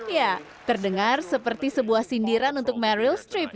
ya terdengar seperti sebuah sindiran untuk meryl streep ya